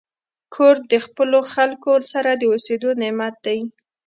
کور د خپلو خلکو سره د اوسېدو نعمت دی.